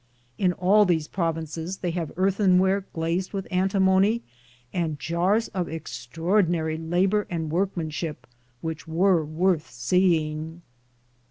In all these provinces they have earth enware glazed with antimony and jars of ex traordinary labor and workmanship, which were worth seeing.